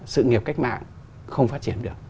sự nghiệp cách mạng không phát triển được